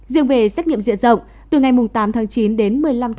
riêng về xét nghiệm diện rộng từ ngày tám chín đến một mươi năm chín hai nghìn hai mươi một